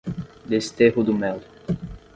Desterro do Melo